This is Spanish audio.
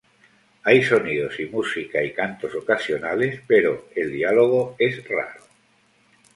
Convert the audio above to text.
Hay sonidos y música y cantos ocasionales, pero el diálogo es raro.